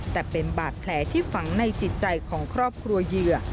แต่เป็นบาดแผลที่ฝังในจิตใจของครอบครัวเหยื่อ